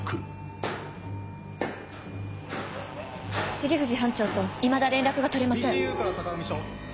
重藤班長といまだ連絡が取れません。